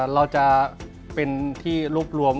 เราจะเป็นที่รวบรวม